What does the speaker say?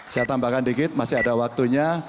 saya tambahkan dikit masih ada waktunya